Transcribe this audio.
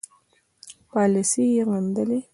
پالیسي یې غندلې.